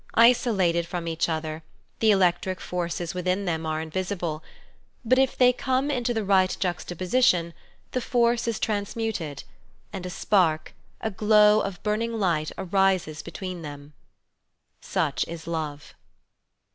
Isolated from each other the electric forces within them are invisible, but if they ^ Married Love come into the right juxtaposition the force is trans muted, and a spark, a glow of burning light arises between them. Such is love.